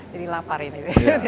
jadi lapar ini